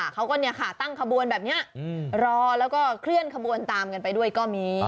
เขาก็ตั้งขบวนแบบนี้รอแล้วก็เคลื่อนขบวนตามกันไปด้วยก็มี